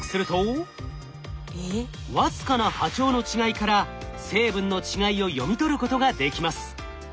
僅かな波長の違いから成分の違いを読み取ることができます。